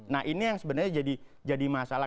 nah ini yang sebenarnya jadi masalah